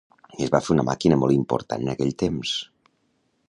Es va fer una màquina molt important en aquell temps.